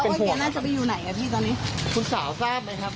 เพื่อนต้อยรู้ว่าตัดของครับ